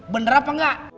bener apa engga